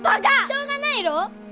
しょうがないろう！